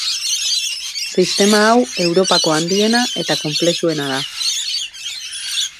Sistema hau Europako handiena eta konplexuena da.